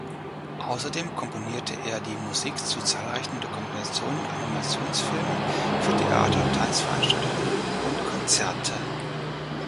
Außerdem komponierte er die Musik zu zahlreichen Dokumentationen, Animationsfilmen, für Theater, Tanzveranstaltungen und Konzerte.